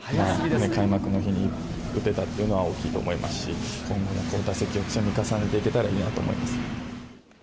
開幕の日に打てたっていうのは大きいと思いますし、今後も打席を積み重ねていけたらいいなと思います。